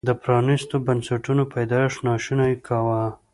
د پرانیستو بنسټونو پیدایښت ناشونی کاوه.